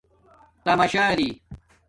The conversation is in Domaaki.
تماشااری